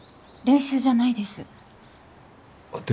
練習じゃないですあっ